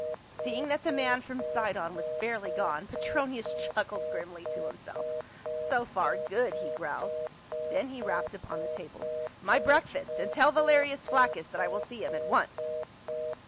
Seeing that the man from Sidon was fairly gone, Petronius chuckled grimly to himself " So far, good !" he growled. Then he rapped upon the table. " My breakfast ! and tell Valerius Flaccus that I will see him at once."